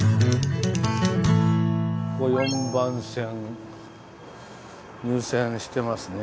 ４番線入線してますね。